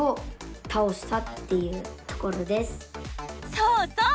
そうそう！